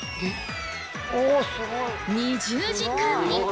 ２０時間に！